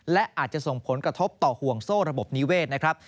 และอาจจะส่งผลกระทบต่อห่วงโซ่ระบบนิเวศนะครับ